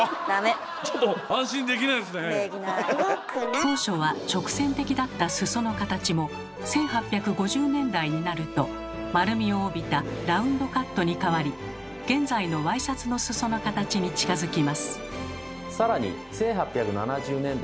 当初は直線的だった裾の形も１８５０年代になると丸みを帯びたラウンドカットに変わり現在のワイシャツの裾の形に近づきます。